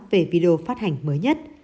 về video phát hành mới nhất